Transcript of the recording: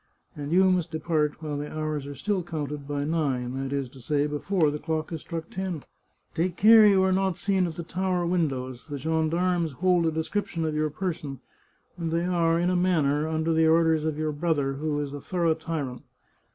And you must depart while the hours are still counted by nine — that is to say, before the clock has struck ten. Take 169 The Chartreuse of Parma care you are not seen at the tower windows; the gen darmes hold a description of your person, and they are, in a manner, under the orders of your brother, who is a thorough tyrant.